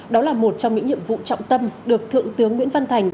đó là một trong những nhiệm vụ trọng tâm được thượng tướng nguyễn văn thành